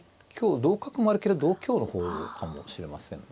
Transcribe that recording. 同角もあるけど同香の方かもしれませんね。